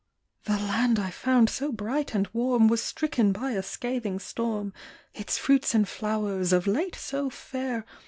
The land I found so bright and warm Was stricken by a scathing storm ; Its fruits and flowers, of late so fair.